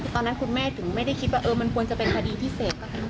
ตอนนั้นคุณแม่ถึงไม่ได้คิดว่ามันควรจะเป็นคดีพิเศษ